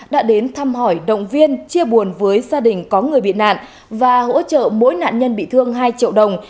đã đến thăm hỏi động viên chia buồn với gia đình có người bị nạn và hỗ trợ mỗi nạn nhân bị thương hai triệu đồng